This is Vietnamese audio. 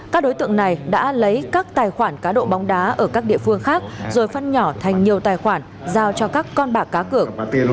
các đối tượng này đã lấy các tài khoản cá độ bóng đá ở các địa phương khác rồi phân nhỏ thành nhiều tài khoản giao cho các con bạc cá cược